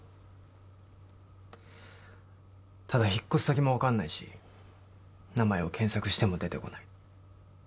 ただ引っ越し先も分かんないし名前を検索しても出てこない。